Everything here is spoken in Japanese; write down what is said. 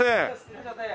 いらっしゃいませ！